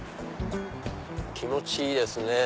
気持ちいいですね